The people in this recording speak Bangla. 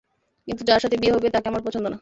কিন্তু যার সাথে বিয়ে হবে, তাকে আমার পছন্দ না।